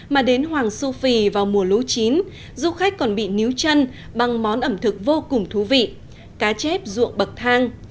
mà đến hoàng su phi vào mùa lũ chín du khách còn bị níu chân bằng món ẩm thực vô cùng thú vị cá chép ruộng bậc thang